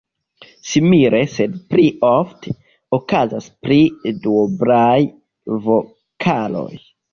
Simile, sed pli ofte, okazas pri duoblaj vokaloj.